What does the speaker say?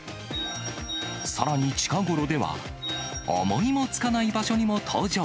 さらに近頃では、思いもつかない場所にも登場。